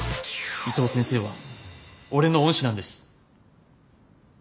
伊藤先生は俺の恩師なんです。